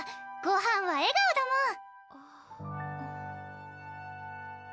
ごはんは笑顔だもん！